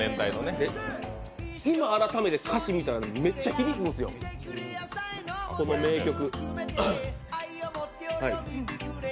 今改めて歌詞見たらめっちゃひびきますよ、この名曲。